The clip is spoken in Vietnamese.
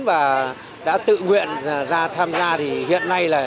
và đã tự nguyện ra tham gia thì hiện nay là